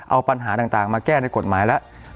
เอาปัญหาต่างมาแก้ในกฎหมายแล้ว